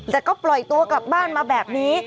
แต่ก็ปล่อยตัวกลับบ้านมาแบบนี้